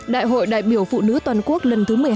đại hội đại biểu phụ nữ toàn quốc lần thứ một mươi hai